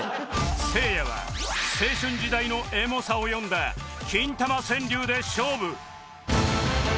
せいやは青春時代のエモさを詠んだキンタマ川柳で勝負